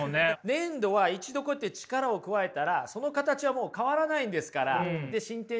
粘土は一度こうやって力を加えたらその形はもう変わらないんですから。